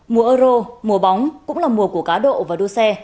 mùa euro mùa bóng cũng là mùa của cá độ và đua xe